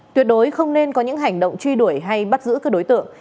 tuyệt đối không nên có những hành động truy đuổi hay bắt giữ các đối tượng